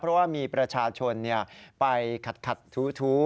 เพราะว่ามีประชาชนไปขัดทู้